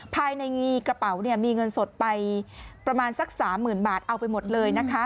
ภายในกระเป๋าเนี่ยมีเงินสดไปประมาณสัก๓๐๐๐บาทเอาไปหมดเลยนะคะ